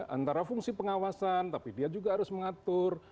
antara fungsi pengawasan tapi dia juga harus mengatur